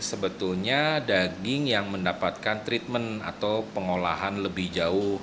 sebetulnya daging yang mendapatkan treatment atau pengolahan lebih jauh